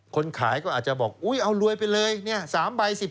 คนขายก็อาจจะบอกอุ๊ยเอารวยไปเลยเนี่ย๓ใบ๑๐